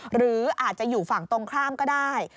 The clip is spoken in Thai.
หรืออาจจะอยู่ฝั่งตรงข้ามก็ได้